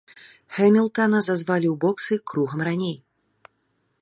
Хэмілтана зазвалі ў боксы кругам раней.